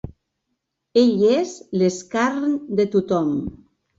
Ell és l'escarn de tothom.